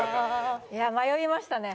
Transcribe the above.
いや迷いましたね。